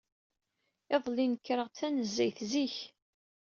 Iḍelli, nekreɣ-d tanezzayt zik.